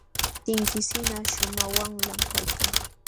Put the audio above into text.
Tinkisinqa shumaq wamlam kaykan.